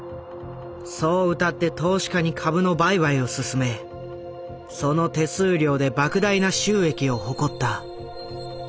そううたって投資家に株の売買を勧めその手数料で莫大な収益を誇った。